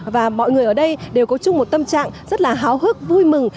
và mọi người ở đây đều có chung một tâm trạng rất là háo hức vui mừng